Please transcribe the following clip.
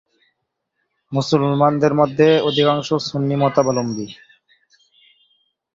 মুসলমানদের মধ্যে অধিকাংশ সুন্নি মতাবলম্বী।